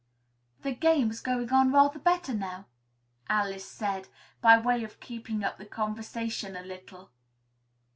"The game's going on rather better now," Alice said, by way of keeping up the conversation a little.